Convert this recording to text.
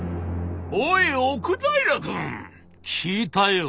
「おい奥平君聞いたよ。